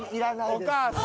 お母さん。